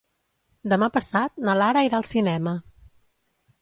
Demà passat na Lara irà al cinema.